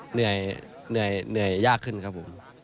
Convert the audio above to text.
เหนื่อยยากขึ้นครับผม